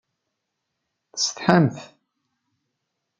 Tessetḥamt?